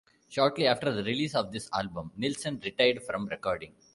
Shortly after the release of this album, Nilsson retired from recording.